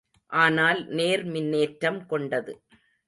ஆனால் நேர் மின்னேற்றம் கொண்டது.